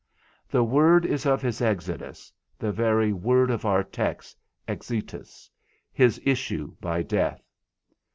The word is of his exodus, the very word of our text, exitus, his issue by death.